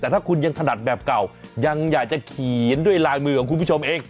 แต่ถ้าคุณยังถนัดแบบเก่ายังอยากจะเขียนด้วยลายมือของคุณผู้ชมเอง